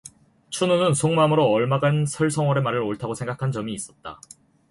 춘우는 속마음으로 얼마간 설성월의 말을 옳다고 생각한 점이 있었다.